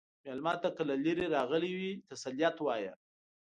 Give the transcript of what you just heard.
مېلمه ته که له لرې راغلی وي، تسلیت وایه.